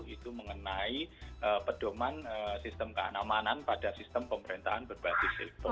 itu mengenai pedoman sistem keamanan pada sistem pemerintahan berbasis sektor